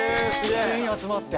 全員集まって？